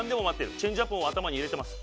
チェンジアップも頭に入れてます。